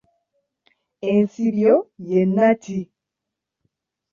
Ensibyo ye nnatti.